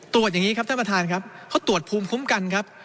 อย่างนี้ครับท่านประธานครับเขาตรวจภูมิคุ้มกันครับ